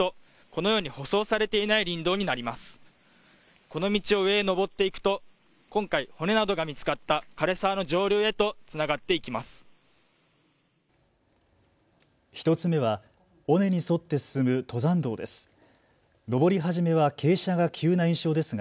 この道を上へ登っていくと今回骨などが見つかったかれ沢の上流へとつながっていきます。